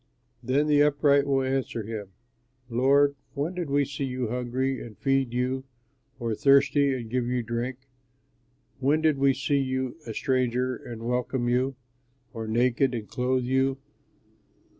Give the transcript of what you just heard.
"Then the upright will answer him, 'Lord, when did we see you hungry and feed you? Or thirsty and give you drink? When did we see you a stranger and welcome you? Or naked and clothe you?